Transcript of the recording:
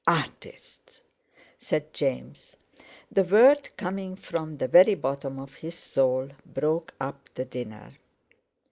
"Artists!" said James. The word coming from the very bottom of his soul, broke up the dinner.